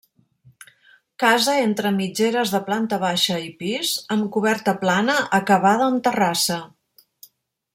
Casa entre mitgeres de planta baixa i pis, amb coberta plana acabada en terrassa.